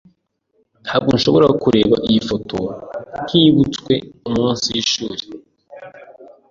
Ntabwo nshobora kureba iyi foto ntibutswe iminsi yishuri.